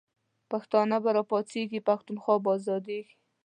پښتانه به راپاڅیږی، پښتونخوا به آزادیږی